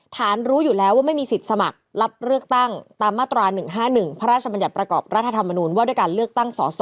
ฐานรู้อยู่แล้วว่าไม่มีสิทธิ์สมัครรับเลือกตั้งตามมาตรา๑๕๑พระราชบัญญัติประกอบรัฐธรรมนูญว่าด้วยการเลือกตั้งสส